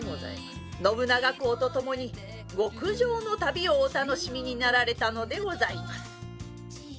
「信長公とともに極上の旅をお楽しみになられたのでございます」。